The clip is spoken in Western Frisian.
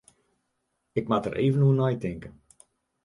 Ik moat der even oer neitinke.